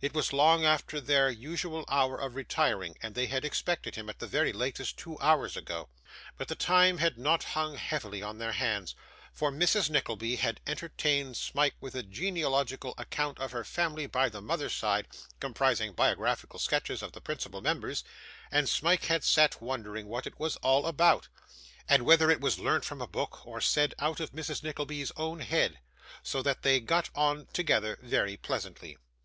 It was long after their usual hour of retiring, and they had expected him, at the very latest, two hours ago; but the time had not hung heavily on their hands, for Mrs. Nickleby had entertained Smike with a genealogical account of her family by the mother's side, comprising biographical sketches of the principal members, and Smike had sat wondering what it was all about, and whether it was learnt from a book, or said out of Mrs. Nickleby's own head; so that they got on together very pleasantly.